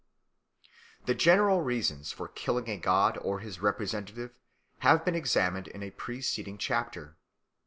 The general reasons for killing a god or his representative have been examined in a preceding chapter.